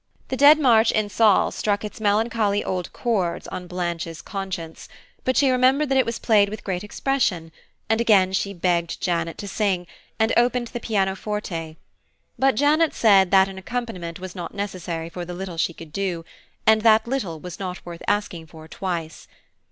The Dead March in Saul struck its melancholy old chords on Blanche's conscience, but she remembered that it was played with great expression, and again she begged Janet to sing, and opened the pianoforte; but Janet said that an accompaniment was not necessary for the little she could do, and that little was not worth asking for twice.